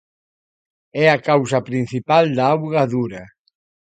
É a causa principal da auga dura.